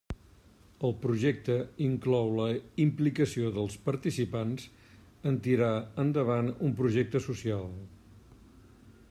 El projecte inclou la implicació dels participants en tirar endavant un projecte social.